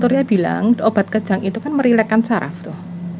surya bilang obat kejang itu kan merilekkan saraf tuh